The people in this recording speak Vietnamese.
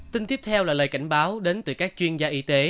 tin tiếp theo là lời cảnh báo đến từ các chuyên gia y tế